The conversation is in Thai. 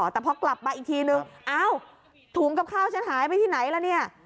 แต่พอกลับมาอีกทีนึงอ้าวถุงกับข้าวฉันหายไปที่ไหนล่ะเนี่ย